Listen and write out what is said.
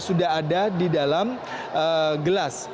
sudah ada di dalam gelas